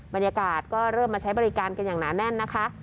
บรรยากาศก็เริ่มมาใช้บริการกันอย่างหนาแน่นนะคะ